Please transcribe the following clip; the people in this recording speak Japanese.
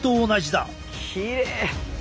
きれい。